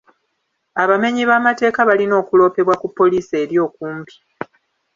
Abamenyi b'amateeka balina okuloopebwa ku poliisi eri okumpi.